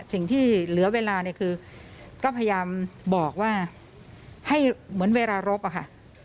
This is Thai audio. สิ่งที่เหลือเวลาเนี่ยคือก็พยายามบอกว่าให้เหมือนเวลารบอะค่ะ